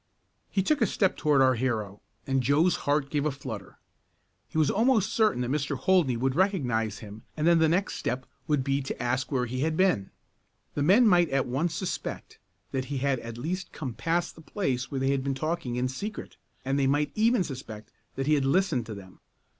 He took a step toward our hero, and Joe's heart gave a flutter. He was almost certain that Mr. Holdney would recognize him and then the next step would be to ask where he had been. The men might at once suspect that he had at least come past the place where they had been talking in secret, and they might even suspect that he had listened to them.